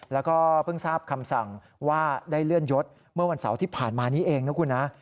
แล้วก็เพิ่งทราบคำสั่งว่าได้เลื่อนยศเมื่อวันเสาร์ที่ผ่านมานี้เองนะคุณนะ